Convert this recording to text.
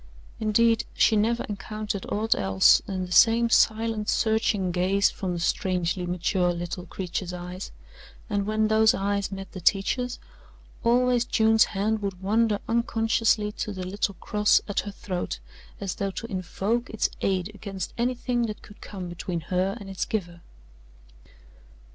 Indeed, she never encountered aught else than the same silent searching gaze from the strangely mature little creature's eyes, and when those eyes met the teacher's, always June's hand would wander unconsciously to the little cross at her throat as though to invoke its aid against anything that could come between her and its giver.